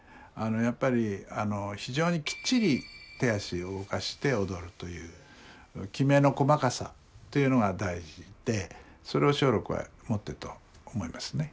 やっぱり非常にきっちり手足を動かして踊るというきめの細かさというのが大事でそれを松緑は持ってると思いますね。